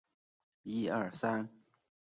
拉拉涅蒙泰格兰人口变化图示